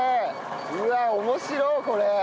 うわっ面白っこれ。